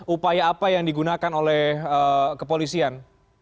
upaya apa yang digunakan oleh kepolisian